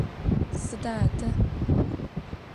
Sıda ade?